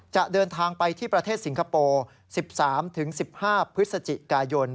จะเดินทางไปที่ประเทศสิงคโปร์๑๓๑๕พฤศจิกายน